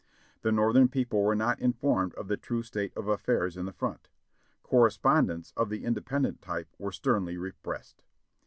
The Northern people were not informed of the true state of affairs in the front. Correspondents of the independent type were sternly repressed.